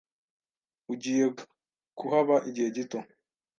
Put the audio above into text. Ugiye kuhaba igihe gito?